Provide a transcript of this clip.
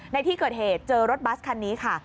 ในที่เกิดเหตุเจอรถบัสคันนี้ค่ะ